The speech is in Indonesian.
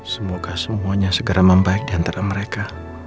semoga semuanya segera membaik diantara mereka